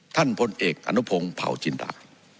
ท่านพลเอกอนุพงศ์เผาจินตา